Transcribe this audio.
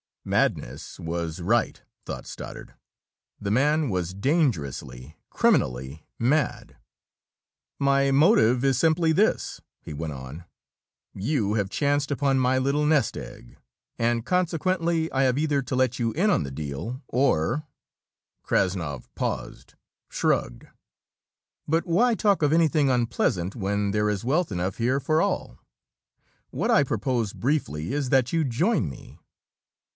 Madness was right, thought Stoddard. The man was dangerously, criminally mad. "My motive is simply this," he went on. "You have chanced upon my little nest egg, and consequently I have either to let you in on the deal or " Krassnov paused; shrugged. "But why talk of anything unpleasant, when there is wealth enough here for all? What I propose, briefly, is that you join me."